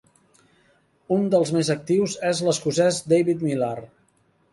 Un dels més actius és l'escocès David Millar.